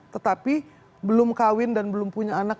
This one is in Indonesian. tetapi belum kawin dan belum punya anak